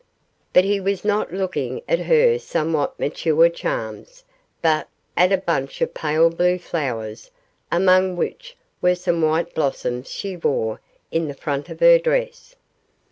But he was not looking at her somewhat mature charms, but at a bunch of pale blue flowers, among which were some white blossoms she wore in the front of her dress.